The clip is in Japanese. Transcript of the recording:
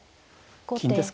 金ですか。